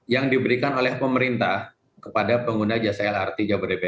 yang diberikan oleh pemerintah kepada pengguna jasa lrt jabodebek